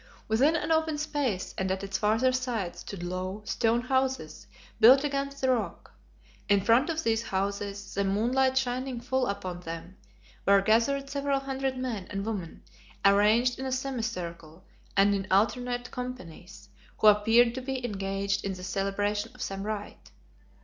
Within an open space and at its farther side stood low, stone houses built against the rock. In front of these houses, the moonlight shining full upon them, were gathered several hundred men and women arranged in a semicircle and in alternate companies, who appeared to be engaged in the celebration of some rite.